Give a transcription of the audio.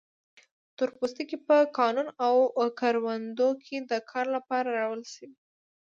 تور پوستکي په کانونو او کروندو کې د کار لپاره راوړل شوي.